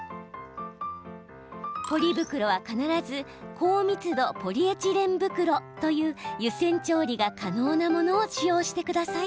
ポリ袋は必ず高密度ポリエチレン袋という湯煎調理が可能なものを使用してください。